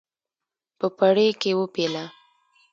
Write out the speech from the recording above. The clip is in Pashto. په پړي کې وپېله.